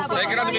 saya kira demikian